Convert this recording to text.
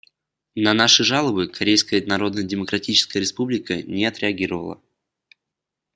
На наши жалобы Корейская Народно-Демократическая Республика не отреагировала.